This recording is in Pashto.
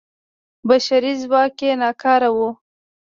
بشري ځواک یې ناکاره و.